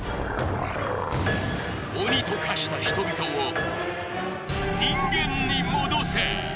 鬼と化した人々を人間に戻せ！